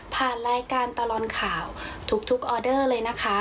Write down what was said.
ผ่านรายการตลอดข่าวทุกออเดอร์เลยนะคะ